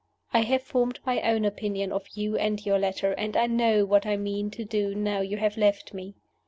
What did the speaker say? I have formed my own opinion of you and your letter; and I know what I mean to do now you have left me.